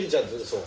そう。